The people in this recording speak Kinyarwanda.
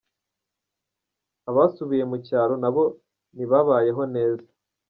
Abasubiye mu cyaro nabo ntibabayeho neza.